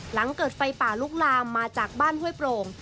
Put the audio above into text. หลังเกิดไฟป่าลุกลามมาจากบ้านห้วยโปร่ง